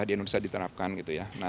di indonesia diterapkan